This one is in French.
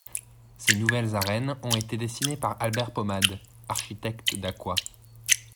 Ces nouvelles arènes ont été dessinées par Albert Pomade, architecte dacquois.